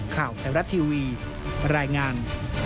ข่าวไทยรัฐทีวีรายงาน